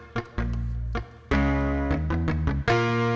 gak malahan sih